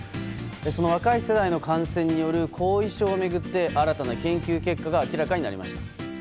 その若い世代の感染による後遺症を巡って新たな研究結果が明らかになりました。